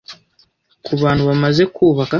Ku bantu bamaze kubaka